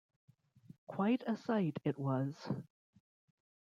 Quite a sight it was.